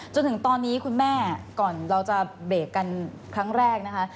จนถึงตอนนี้คุณแม่ก่อนเราจะเบรกกันครั้งแรกนะคะ